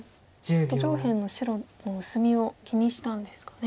上辺の白の薄みを気にしたんですかね。